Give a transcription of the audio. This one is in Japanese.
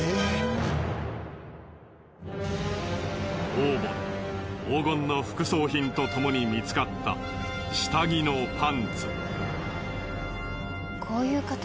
王墓で黄金の副葬品と共に見つかった下着のパンツ。